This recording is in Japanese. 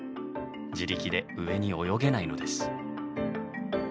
自力で上に泳げないのです。